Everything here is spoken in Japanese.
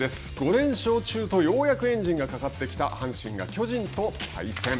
５連勝中とようやくエンジンがかかってきた阪神が巨人と対戦。